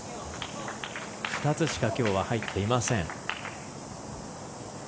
２つしかきょうは入っていません。